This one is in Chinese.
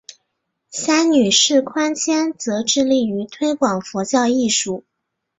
三女释宽谦则致力于推广佛教艺术。